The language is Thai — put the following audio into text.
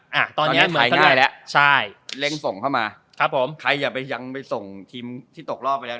อ่ะตอนเนี้ยไทยก็เหนื่อยแล้วใช่เร่งส่งเข้ามาครับผมใครอย่าไปยังไปส่งทีมที่ตกรอบไปแล้ว